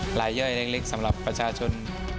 ลายย่อยเล็กสำหรับประชาชน